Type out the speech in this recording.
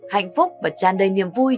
hạnh phúc và tràn đầy niềm vui